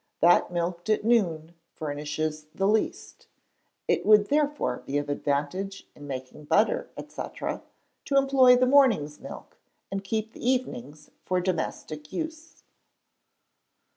That milked at noon furnishes the least; it would therefore be of advantage, in making butter, &c., to employ the morning's milk, and keep the evening's for domestic use."